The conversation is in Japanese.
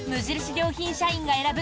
良品社員が選ぶ